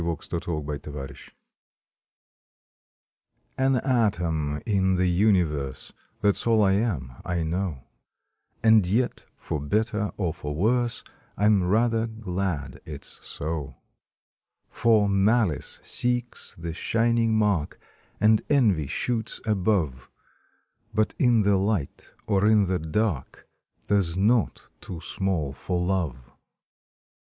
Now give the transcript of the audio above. March Twenty fifth SAFETY AN atom in the Universe That s all I am, I know, And yet for better or for worse I m rather glad it s so, For Malice seeks the shining mark, And Envy shoots above, But in the light or in the dark There s naught too small for Love.